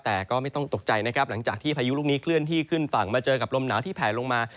แต่ก็ไม่ต้องตกใจนะครับหลังจากที่พายุลูกนี้เคลื่อนที่ขึ้นฝั่งมาเจอกับลมหนาวที่แผลลงมา